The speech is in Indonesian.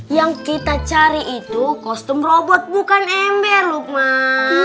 yang kita cari itu kostum robot bukan ember lukma